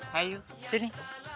hai yu sini